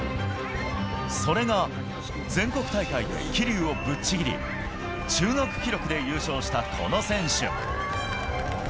それが全国大会で桐生をぶっちぎり、中学記録で優勝したこの選手。